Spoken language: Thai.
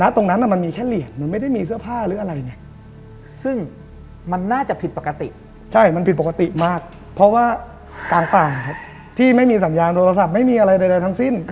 ที่ไม่มีสัญญาณโทรศัพท์ไม่มีอะไรใดทั้งสิ้น